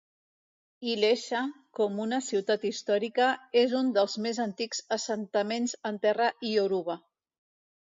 Ilesha, com una ciutat històrica és un dels més antics assentaments en terra ioruba.